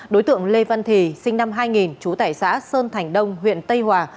đối tượng lê văn thì sinh năm hai nghìn chú tài xã sơn thành đông huyện tây hòa